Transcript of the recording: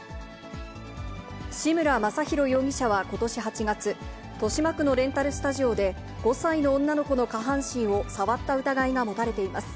志村正浩容疑者はことし８月、豊島区のレンタルスタジオで、５歳の女の子の下半身を触った疑いが持たれています。